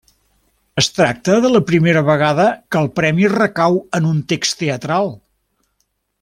Es tracta de la primera vegada que el premi recau en un text teatral.